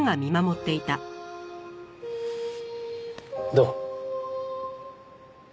どう？